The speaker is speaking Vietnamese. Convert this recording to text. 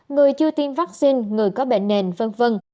người chưa tiêm vaccine người có bệnh nền v v